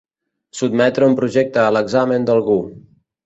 Sotmetre un projecte a l'examen d'algú.